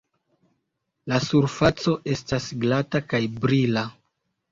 La surfaco estas glata kaj brila.